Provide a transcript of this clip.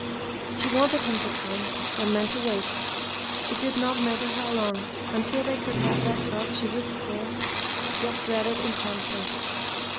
She wanted him to come, and meant to wait (it did not matter how long) until they could have that talk she wished for yet dreaded intensely.